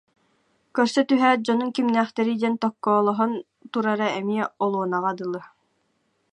көрсө түһээт дьонуҥ кимнээхтэрий диэн токкоолоһон турара эмиэ олуонаҕа дылы